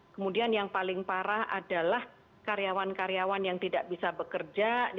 kemudian yang paling parah adalah karyawan karyawan yang tidak bisa bekerja